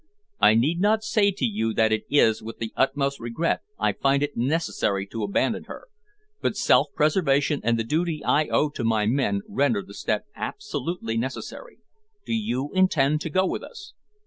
I need not say to you that it is with the utmost regret I find it necessary to abandon her; but self preservation and the duty I owe to my men render the step absolutely necessary. Do you intend to go with us?"